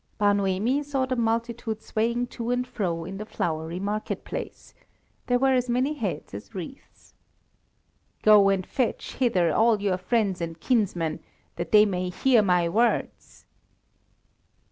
Bar Noemi saw the multitude swaying to and fro in the flowery market place; there were as many heads as wreaths. "Go and fetch hither all your friends and kinsmen, that they may hear my words!"